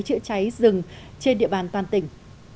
chữa cháy rừng trên địa bàn toàn tỉnh